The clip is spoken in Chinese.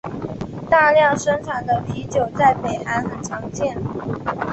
大量生产的啤酒在北韩很常见。